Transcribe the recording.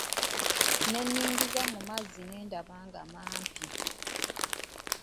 Ne nningiza mu mazzi ne ndaba ng'amampi.